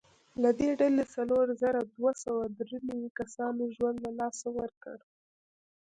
له دې ډلې څلور زره دوه سوه درې نوي کسانو ژوند له لاسه ورکړ.